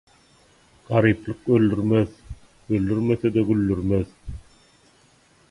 Garyplyk öldürmez, öldürmese-de güldürmez